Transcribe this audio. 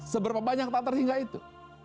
seberapa banyak tak terhingga itu